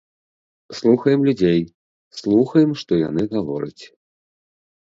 Слухаем людзей, слухаем, што яны гавораць.